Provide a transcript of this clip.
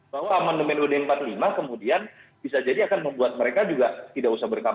bahwa amandemen ud empat puluh lima kemudian bisa jadi akan membuat mereka juga tidak usah berkampan